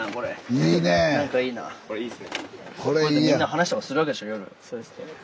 みんな話とかするわけでしょ夜。